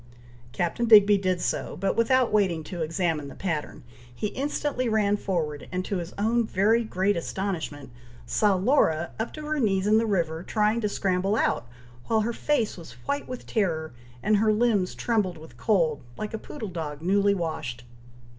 Captain Digby did so; but without waiting to examine the pattern, he instantly ran forward, and to his own very great astonishment, saw Laura up to her knees in the river, trying to scramble out, while her face was white with terror, and her limbs trembled with cold, like a poodle dog newly washed.